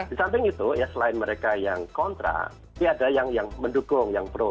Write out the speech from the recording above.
di samping itu ya selain mereka yang kontra ini ada yang mendukung yang pro